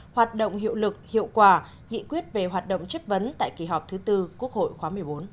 hoạt động hiệu lực hiệu quả nghị quyết về hoạt động chất vấn tại kỳ họp thứ tư quốc hội khóa một mươi bốn